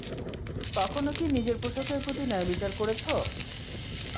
কখনো কি নিজের পোশাকের প্রতি ন্যায়বিচার করেছো?